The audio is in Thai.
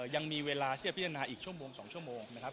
ยังมีเวลาที่จะพิจารณาอีกชั่วโมง๒ชั่วโมงนะครับ